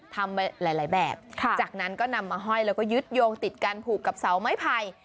ทำหลายแบบจากนั้นก็นำมาห้อยแล้วก็ยึดโยงติดกันผูกกับเสาไม้ไผ่